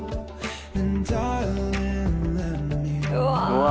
うわ！